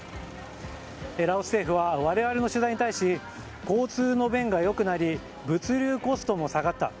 ラオス政府は我々の取材に対し交通の便が良くなり物流コストも下がった。